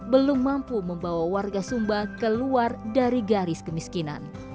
belum mampu membawa warga sumba keluar dari garis kemiskinan